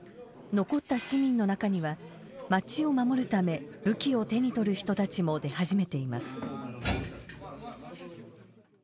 残った市民の中には街を守るため武器を手に取る人たちも出始めています。